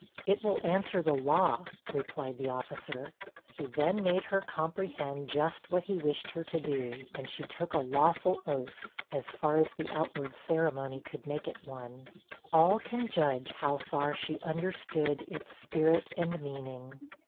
'It will answer the law,' replied the officer. He then made her comprehend just what he wished her to do, and she took a lawful oath, as far as the outward ceremony could make it one. All can judge how far she understood its spirit and meaning.